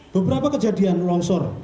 beberapa kejadian longsor